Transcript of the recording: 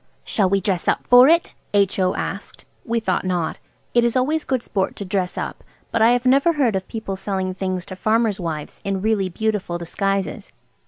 "Shall we dress up for it?" H.O. asked. We thought not. It is always good sport to dress up, but I have never heard of people selling things to farmers' wives in really beautiful disguises.